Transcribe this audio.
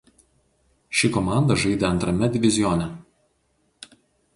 Ši komanda žaidė Antrame divizione.